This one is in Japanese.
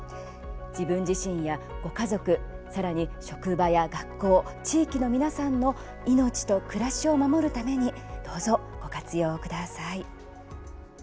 自分自身やご家族さらに職場や学校地域の皆さんの命と暮らしを守るために、ご活用ください。